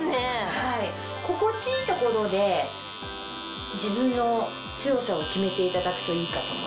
はい心地いいところで自分の強さを決めていただくといいかと思います。